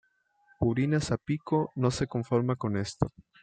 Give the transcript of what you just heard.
Purina Zapico, no se conforma con esto.